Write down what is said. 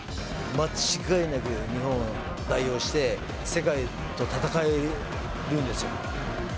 間違いなく日本を代表して、世界と戦えるんですよ。